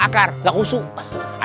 maap pak ustadz ya